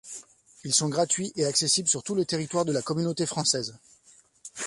Ils sont gratuits et accessibles sur tout le territoire de la Communauté française.